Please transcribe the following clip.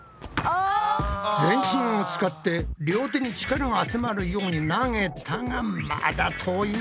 全身を使って両手に力が集まるように投げたがまだ遠いな。